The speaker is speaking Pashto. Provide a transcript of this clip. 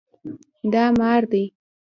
دا مار دی